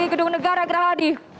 di gedung negara negara hadi